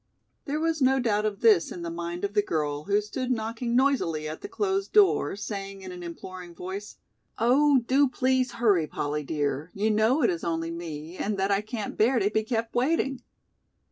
There was no doubt of this in the mind of the girl who stood knocking noisily at the closed door, saying in an imploring voice: "Oh, do please hurry, Polly dear, you know it is only me and that I can't bear to be kept waiting."